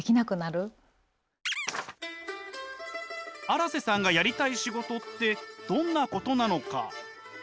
荒瀬さんがやりたい仕事ってどんなことなのか？